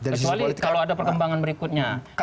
kecuali kalau ada perkembangan berikutnya